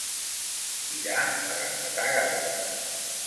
Tirar a rematar garbes.